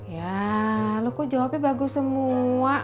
ya lo kok jawabnya bagus semua